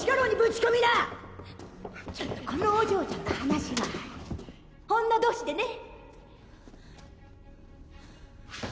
ちょっとこのお嬢ちゃんと話がある女同士でね！